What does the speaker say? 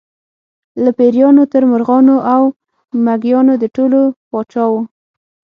له پېریانو تر مرغانو او مېږیانو د ټولو پاچا و.